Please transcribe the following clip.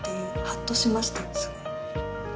ハッとしましたすごい。